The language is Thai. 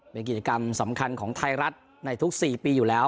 เป็นกิจกรรมสำคัญของไทยรัฐในทุก๔ปีอยู่แล้ว